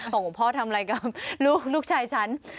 หลวงพ่อทำอะไรกับลูกชายฉัน